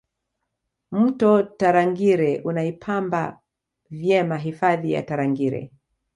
mto tarangire unaipamba vyema hifadhi ya tarangire